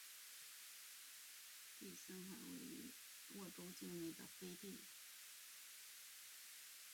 弗里堡州在这附近也拥有三块位于沃州境内的飞地。